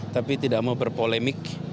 tapi tidak mau berpolemik